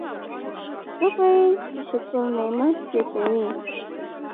څوک وایي چې شکر نعمت زیاتوي